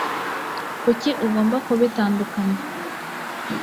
kuki ugomba kubitandukanya